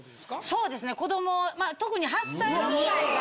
そうですね子ども特に８歳６歳が。